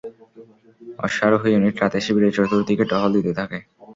অশ্বারোহী ইউনিট রাতে শিবিরের চতুর্দিকে টহল দিতে থাকে।